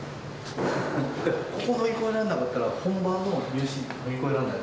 ここ乗り越えられなかったら、本番の入試、乗り越えられない。